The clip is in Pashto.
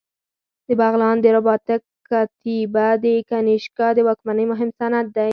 د بغلان د رباطک کتیبه د کنیشکا د واکمنۍ مهم سند دی